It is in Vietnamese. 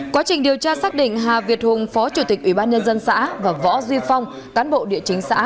quá trình điều tra xác định hà việt hùng phó chủ tịch ubnd xã và võ duy phong cán bộ địa chính xã